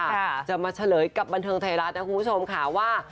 จะมาเฉลยกับบันเทิงไทยรัฐนะคุณผู้ชมค่ะว่า